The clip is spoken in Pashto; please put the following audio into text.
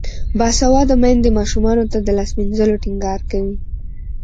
باسواده میندې ماشومانو ته د لاس مینځلو ټینګار کوي.